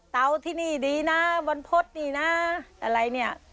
เตาที่นี่ดีนะบรรพศนี่นะอะไรนี่